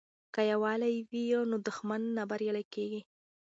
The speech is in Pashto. که یووالی وي نو دښمن نه بریالی کیږي.